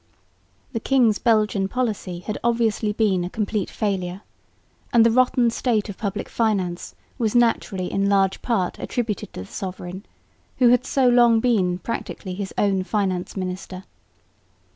The king's Belgian policy had obviously been a complete failure; and the rotten state of public finance was naturally in large part attributed to the sovereign, who had so long been practically his own finance minister.